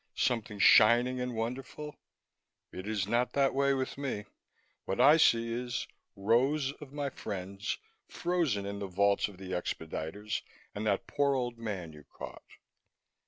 Something shining and wonderful? It is not that way with me; what I see is rows of my friends, frozen in the vaults or the expediters and that poor old man you caught."